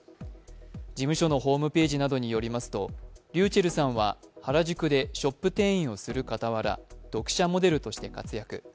事務所のホームページなどによりますとｒｙｕｃｈｅｌｌさんは原宿でショップ店員をする傍ら読者モデルとして活躍。